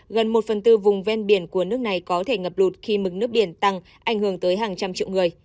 gần một phần tư vùng ven biển của nước này có thể ngập lụt khi mực nước biển tăng ảnh hưởng tới hàng trăm triệu người